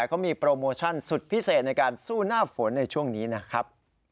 เขามีโปรโมชั่นสุดพิเศษในการสู้หน้าฝนในช่วงนี้นะครับ